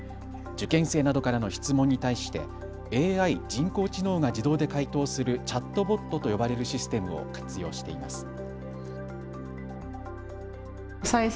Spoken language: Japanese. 受験生などからの質問に対してＡＩ・人工知能が自動で回答するチャットボットと呼ばれるシステムを活用しています。